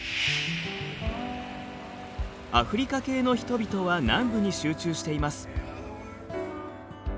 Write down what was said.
アフリカ系の人々は南部に集中しています。